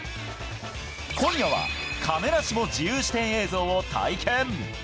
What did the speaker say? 今夜は、亀梨も自由視点映像を体験。